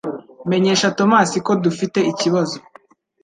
Menyesha Tomasi ko dufite ikibazo